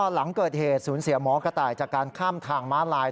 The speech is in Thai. หลังเกิดเหตุศูนย์เสียหมอกระต่ายจากการข้ามทางม้าลาย